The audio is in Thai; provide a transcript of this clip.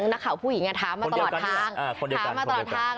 หนักข่าวผู้หญิงอ่ะถามมาตลอดทาง